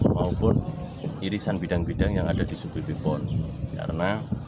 maupun irisan bidang bidang yang ada di sub bpon